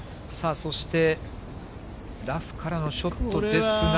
そして、ラフからのショットですが、淺井。